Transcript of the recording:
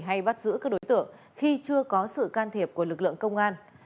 hay bắt giữ các đối tượng khi chưa có sự can thiệp của lực lượng công an